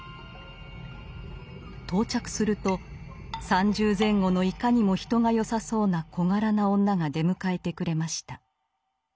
到着すると三十前後のいかにも人が好さそうな小柄な女が出迎えてくれました。